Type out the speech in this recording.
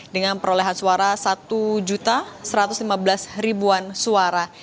dengan perolehan suara satu satu ratus lima belas ribuan suara